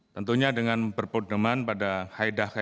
tentunya dengan berpunyaman pada haidat